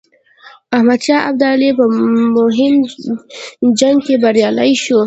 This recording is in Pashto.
احمدشاه ابدالي په مهم جنګ کې بریالی شو.